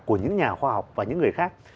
của những nhà khoa học và những người khác